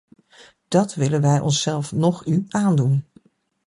Dat willen wij onszelf noch u aandoen.